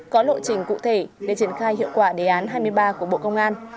có lộ trình cụ thể để triển khai hiệu quả đề án hai mươi ba của bộ công an